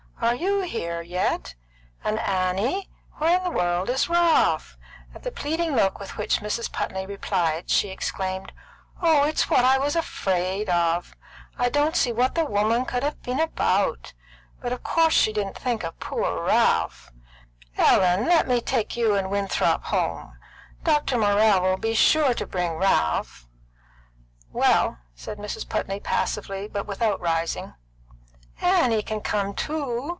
"Are you here yet? And Annie! Where in the world is Ralph?" At the pleading look with which Mrs. Putney replied, she exclaimed: "Oh, it's what I was afraid of! I don't see what the woman could have been about! But of course she didn't think of poor Ralph. Ellen, let me take you and Winthrop home! Dr. Morrell will be sure to bring Ralph." "Well," said Mrs. Putney passively, but without rising. "Annie can come too.